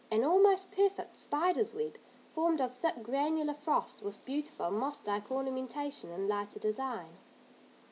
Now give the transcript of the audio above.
An almost perfect spider's web, formed of thick, granular frost, with beautiful moss like ornamentation in lighter design.